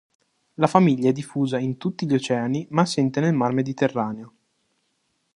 La famiglia è diffusa in tutti gli oceani ma assente nel mar Mediterraneo.